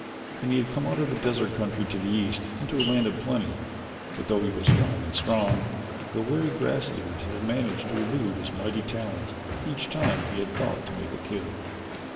He had come out of the desert country to the east into a land of plenty but though he was young and strong, the wary grass eaters had managed to elude his mighty talons each time he had thought to make a kill.